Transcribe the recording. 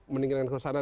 mendingin dengan ke sana